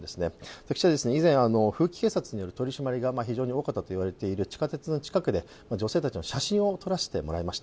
私は以前、風紀警察による取り締まりが非常に多かったと言われる地下鉄の近くで女性たちの写真を撮らせてもらいました。